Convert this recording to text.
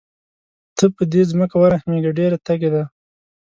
ته په دې ځمکه ورحمېږه ډېره تږې ده.